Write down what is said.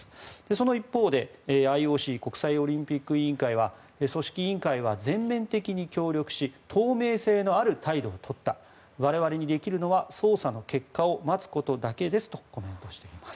その一方でＩＯＣ・国際オリンピック委員会は組織委員会は全面的に協力し透明性のある態度を取った我々にできるのは捜査の結果を待つことだけですとコメントしています。